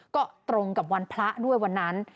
ก็ตรงกับวันพระด้วยวันนั้น